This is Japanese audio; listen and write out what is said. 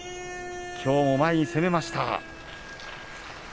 きょうも前に攻めました。